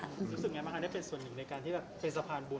รู้สึกยังไงมันค่ะได้เป็นส่วนหนึ่งในการที่เป็นสะพานบุญ